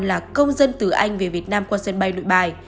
là công dân từ anh về việt nam qua sân bay nội bài